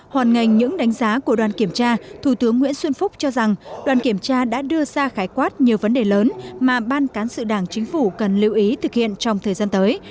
hoàn ngành những đánh giá của đoàn kiểm tra thủ tướng nguyễn xuân phúc cho rằng đoàn kiểm tra đã đưa ra khái quát nhiều vấn đề lớn mà ban cán sự đảng chính phủ cần lưu ý thực hiện trong thời gian tới